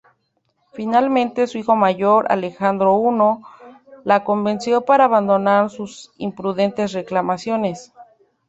Finalmente, su hijo mayor, Alejandro I, la convenció para abandonar sus imprudentes reclamaciones.